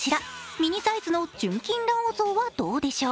ミニサイズの純金ラオウ像はどうでしょう。